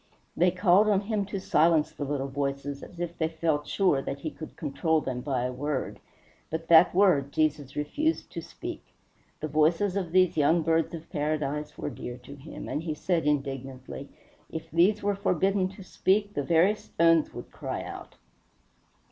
They called on him to silence the little voices, as if they felt sure that he could control them by a word; but that word Jesus refused to speak. The voices of these young birds of paradise were dear to him, and he said indignantly, "If these were forbidden to speak the very stones would cry out."